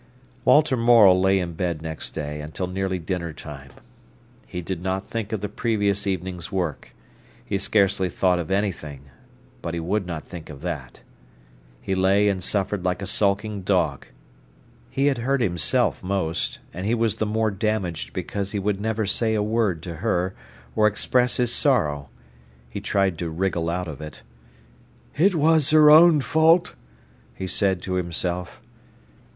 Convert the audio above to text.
Walter Morel lay in bed next day until nearly dinner time. He did not think of the previous evening's work. He scarcely thought of anything, but he would not think of that. He lay and suffered like a sulking dog. He had hurt himself most; and he was the more damaged because he would never say a word to her, or express his sorrow. He tried to wriggle out of it. "It was her own fault," he said to himself.